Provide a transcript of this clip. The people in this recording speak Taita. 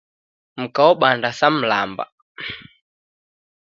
Mka wobanda sa mlamba.